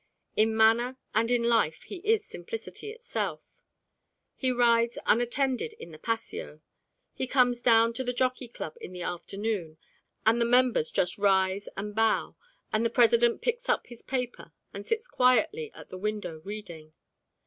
In manner and in life he is simplicity itself. He rides unattended in the Paseo: he comes down to the Jockey Club in the afternoon, and the members just rise and bow, and the President picks up his paper and sits quietly at the window reading.